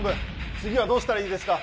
次はどうしたらいいですか！